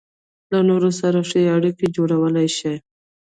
له نورو سره ښې اړيکې جوړولای شي.